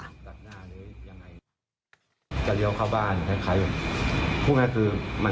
มันเป็นมีดเอาไว้ตัดย่าให้บัวครับ